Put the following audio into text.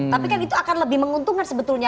tapi kan itu akan lebih menguntungkan sebetulnya